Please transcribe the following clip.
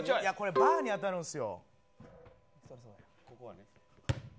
バーに当たるんですよ。